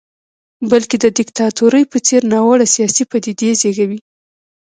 بلکې د دیکتاتورۍ په څېر ناوړه سیاسي پدیدې زېږوي.